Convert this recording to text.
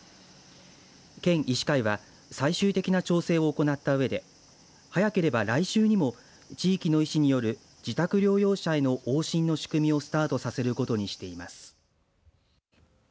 県医師会は最終的な調整を行ったうえで早ければ来週にも地域の医師による自宅療養者への往診の仕組みをスタートさせることにしています。